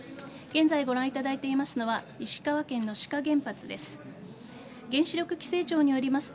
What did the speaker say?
現在、ご覧いただいていますのは石川県の志賀原発です。